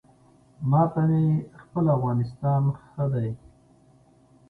ما ته مې خپل افغانستان ښه دی